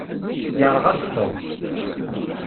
Yeṛɣa-d Tom.